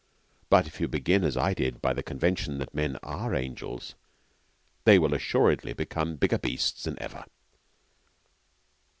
But if you begin, as I did, by the convention that men are angels they will assuredly become bigger beasts than ever.'